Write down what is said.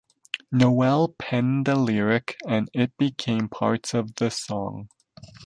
Noel penned the lyric and it became part of the song.